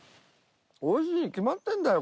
美味しいに決まってるんだよ